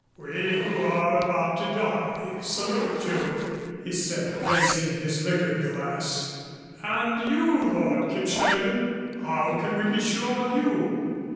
"We, who are about to die, salute you," he said, raising his liqueur glass. "And you, Lord Kipshaven, how can we be sure of you?"